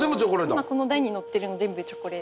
今この台に乗ってるの全部チョコレート。